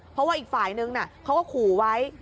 เพราะว่าอีกฝ่ายนึงเขาก็ขู่ไว้